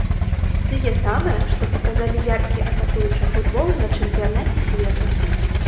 Тыя самыя, што паказалі яркі атакуючы футбол на чэмпіянаце свету.